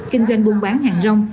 kinh doanh buôn bán hàng rong